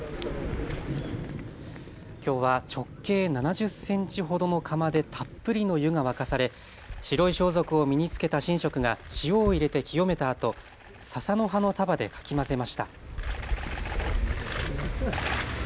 きょうは直径７０センチほどの釜でたっぷりの湯が沸かされ白い装束を身に着けた神職が塩を入れて清めたあと、ささの葉の束でかき混ぜました。